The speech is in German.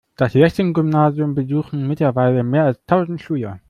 Das Lessing-Gymnasium besuchen mittlerweile mehr als tausend Schüler.